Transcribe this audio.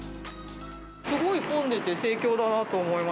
すごい混んでて、盛況だなと思います。